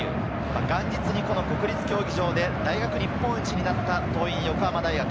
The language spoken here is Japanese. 元日に国立競技場で大学日本一になった桐蔭横浜大学。